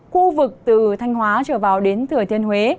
khu vực từ thanh hóa trở vào đến thừa thiên huế